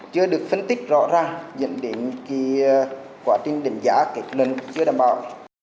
chưa được phân tích rõ ra dẫn đến cái quá trình đánh giá cái lần chưa đảm bảo